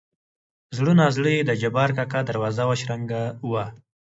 زړه نازړه يې د جبار کاکا دروازه وشرنګه وه.